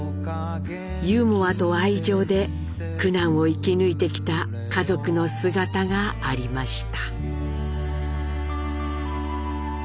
ユーモアと愛情で苦難を生き抜いてきた家族の姿がありました。